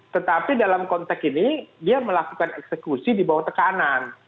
tetapi dalam konteks ini dia melakukan eksekusi di bawah tekanan